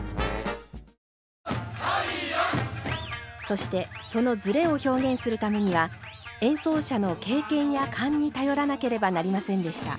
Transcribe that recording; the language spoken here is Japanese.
そしてそのズレを表現するためには演奏者の経験や勘に頼らなければなりませんでした。